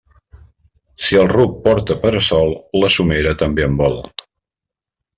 Si el ruc porta para-sol, la somera també en vol.